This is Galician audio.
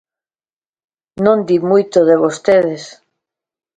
Non di moito de vostedes.